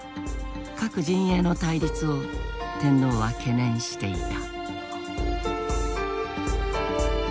各陣営の対立を天皇は懸念していた。